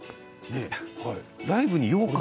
ライブにようかん。